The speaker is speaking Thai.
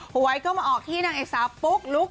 หวยก็มาออกที่นางเอกสาวปุ๊กลุ๊ก